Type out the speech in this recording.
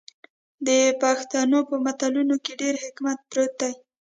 د پښتنو په متلونو کې ډیر حکمت پروت دی.